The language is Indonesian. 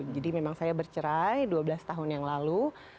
jadi memang saya bercerai dua belas tahun yang lalu